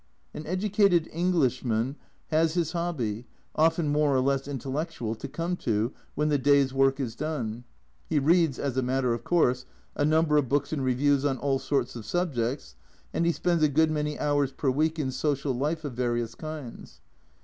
An educated Englishman has his hobby, often more or less intellectual, to come to when the day's work is done. He reads, as a matter of course, a number of books and reviews on all sorts of subjects, and he spends a good many hours per week in social life of various kinds.